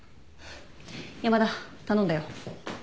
山田頼んだよ。